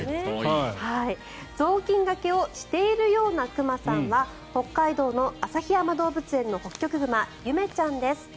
雑巾がけをしているような熊さんは北海道の旭山動物園のホッキョクグマゆめちゃんです。